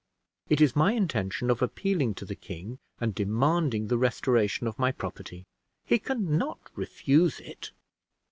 It is my intention of appealing to the king and demanding the restoration of my property. He can not refuse it."